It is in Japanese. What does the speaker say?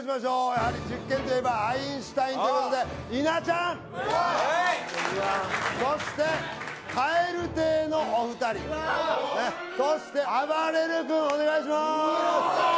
やはり実験といえばアインシュタインということで稲ちゃんうわっそして蛙亭のお二人そしてあばれる君お願いしますうわ・